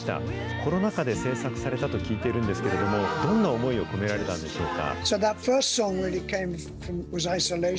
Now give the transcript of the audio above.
コロナ禍で制作されたと聞いているんですけれども、どんな思いを込められたんでしょうか。